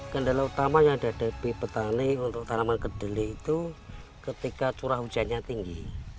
kendala utamanya dari petani untuk tanaman kedelai itu ketika curah hujannya tinggi